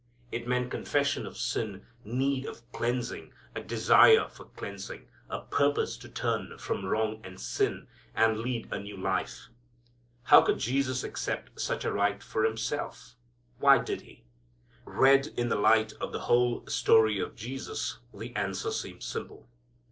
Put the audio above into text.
It meant confession of sin, need of cleansing, a desire for cleansing, a purpose to turn from wrong and sin and lead a new life. How could Jesus accept such a rite for Himself? Why did He? Read in the light of the whole story of Jesus the answer seems simple.